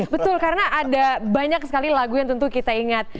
betul karena ada banyak sekali lagu yang tentu kita ingat